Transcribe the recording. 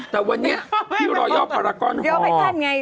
แต่วันนี้ที่รอยอกปรากรฮอขายเส้นไง